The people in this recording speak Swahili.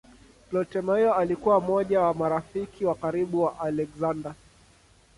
Ptolemaio alikuwa mmoja wa marafiki wa karibu wa Aleksander.